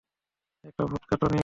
একটা vodka tonic.